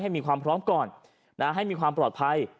มีความพร้อมก่อนให้มีความปลอดภัย